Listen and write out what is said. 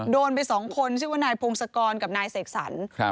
โดนไป๒คนชื่อว่านายพงศกรกับนายเสกสรร